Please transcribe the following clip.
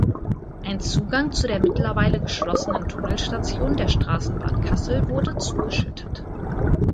Ein Zugang zu der mittlerweile geschlossenen Tunnelstation der Straßenbahn Kassel wurde zugeschüttet.